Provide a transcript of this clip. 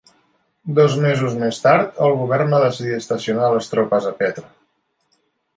Dos mesos més tard, el govern va decidir estacionar les tropes a Petre.